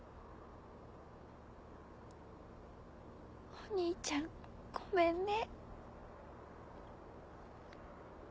お兄ちゃんごめんね。